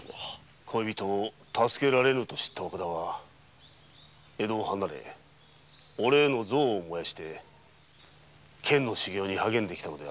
恋人を助けられぬと知った岡田は江戸を離れオレに憎悪を燃やし剣の修行に励んできたのだ。